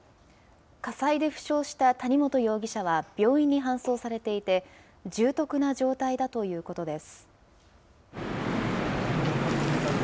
火災で負傷した谷本容疑者は病院に搬送されていて、重篤な状態だということです。